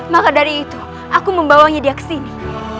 maka dari itu aku membawanya dia ke sini